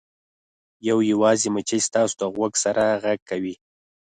یو یوازې مچۍ ستاسو د غوږ سره غږ کوي